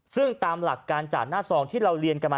ซึ่งตามหลักการจ่าหน้าซองที่เราเรียนกันมา